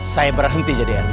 saya berhenti jadi rt